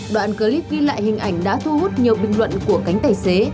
đoạn clip ghi lại hình ảnh đã thu hút nhiều bình luận của cánh tài xế